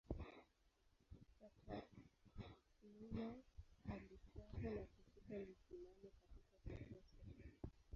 Saturninus alifuata na kushika msimamo katika kuteswa.